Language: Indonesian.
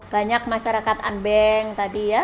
banyak masyarakat unbank tadi ya